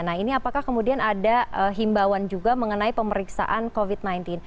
nah ini apakah kemudian ada himbauan juga mengenai pemeriksaan covid sembilan belas